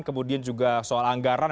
kemudian juga soal anggaran